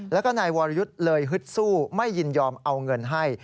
แล้วก็นายวรยุทธ์เลยฮึดสู้ไม่ยินยอมเอาเงินให้